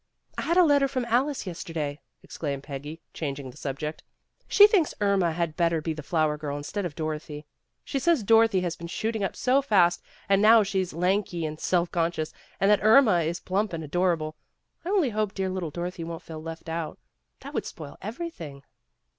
"I had a letter from Alice, yesterday," ex claimed Peggy, changing the subject. "She thinks little Irma had better be the flower girl instead of Dorothy. She says Dorothy has been shooting up so fast lately, that now she 's lanky and self conscious, and that Irma is plump and adorable. I only hope dear little Dorothy won't feel left out. That would spoil everything.